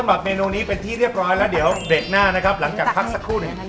ปรับเมนูนี้เป็นที่เรียบร้อยแล้วเดี๋ยวเบรกหน้านะครับหลังจากพักสักครู่หนึ่ง